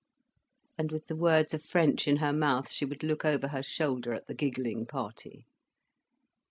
_" And with the words of French in her mouth, she would look over her shoulder at the giggling party.